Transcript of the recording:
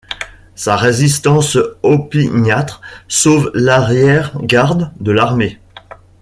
Sa résistance opiniâtre sauve l'arrière-garde de l'armée.